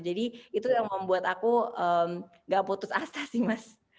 jadi itu yang membuat aku gak putus asa sih mas